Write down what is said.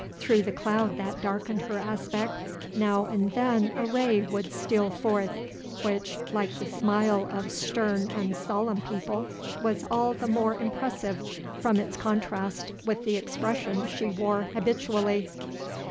Through the cloud that darkened her aspect, now and then a ray would steal forth, which, like the smile of stern and solemn people, was all the more impressive from its contrast with the expression she wore habitually.